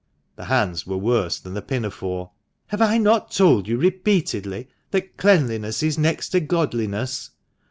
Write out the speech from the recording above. (The hands were worse than the pinafore.) "Have I not told you repeatedly that 'cleanliness is next to godliness?'